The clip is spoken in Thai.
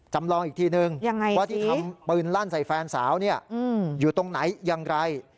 จำลองอีกทีนึงว่าที่ทำปืนลั่นใส่แฟนสาวอยู่ตรงไหนอย่างไร